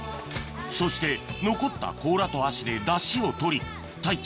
そして残った甲羅と足でダシを取り太一